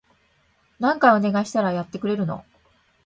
何回お願いしたらやってくれるの？